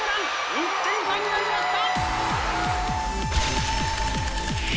１点差になりました！